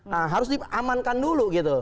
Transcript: nah harus diamankan dulu gitu